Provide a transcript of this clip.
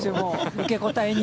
受け答えを。